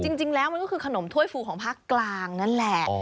จริงแล้วมันก็คือขนมถ้วยฟูของภาคกลางนั่นแหละ